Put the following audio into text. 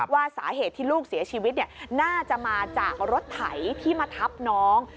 ว่าสาเหตุที่ลูกเสียชีวิตน่าจะมาจากรถไถที่มาทับน้อง